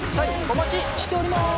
お待ちしております！